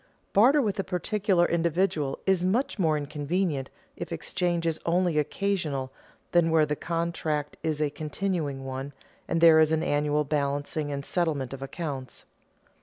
Barter with a particular individual is much more inconvenient if exchange is only occasional than where the contract is a continuing one, and there is an annual balancing and settlement of accounts.